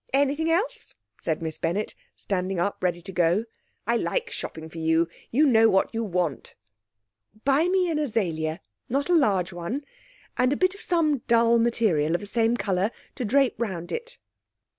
Anything else?' said Miss Bennett, standing up, ready to go. 'I like shopping for you. You know what you want.' 'Buy me an azalea, not a large one, and a bit of some dull material of the same colour to drape round it.'